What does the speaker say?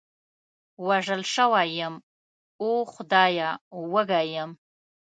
وژل شوی یم، اوه خدایه، وږی یم.